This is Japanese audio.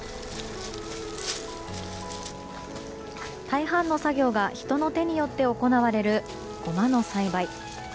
大半の作業が人の手によって行われるゴマの栽培。